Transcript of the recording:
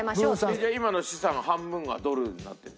じゃあ今の資産半分がドルになってるの？